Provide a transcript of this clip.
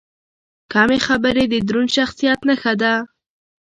کمې خبرې، د دروند شخصیت نښه ده.